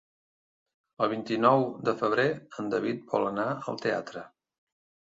El vint-i-nou de febrer en David vol anar al teatre.